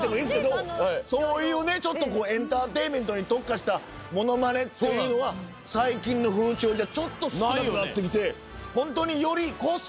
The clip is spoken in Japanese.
そういうちょっとエンターテインメントに特化したものまねというのは最近の風潮じゃちょっと少なくなってきてホントにより個性を消しながらとか。